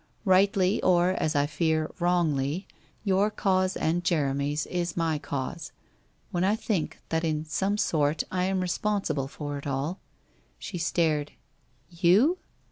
Rightly or, as I fear, wrongly, your cause and Jeremy's is my cause. When I think that in some sort I am responsible for it all ' She stared. ' You